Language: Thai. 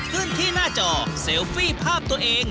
ขึ้นที่หน้าจอเซลฟี่ภาพตัวเอง